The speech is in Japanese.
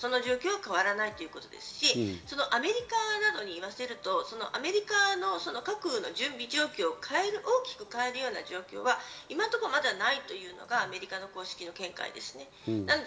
その状況は変わらないですし、アメリカなどに言わせると、アメリカの核の準備状況を大きく変えるような状況は今のところまだないというのがアメリカの公式な見解です。